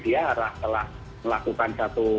dia telah melakukan satu